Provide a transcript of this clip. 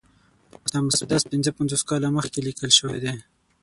دا مسدس پنځه پنځوس کاله مخکې لیکل شوی دی.